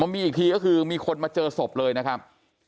มีอีกทีก็คือมีคนมาเจอศพเลยนะครับ